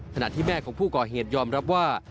ขณะที่แม่ของผู้ก่อเหตุยอมรับว่า